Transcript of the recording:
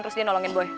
terus dia nolongin boy